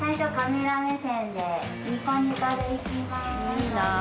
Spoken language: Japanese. いいなあ！